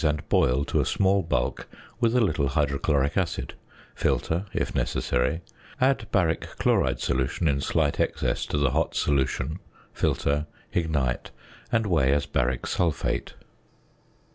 and boil to a small bulk with a little hydrochloric acid, filter (if necessary), add baric chloride solution in slight excess to the hot solution, filter, ignite, and weigh as baric sulphate.